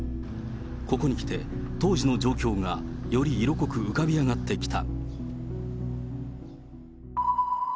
ここにきて当時の状況がより色濃く浮かび上がってきた。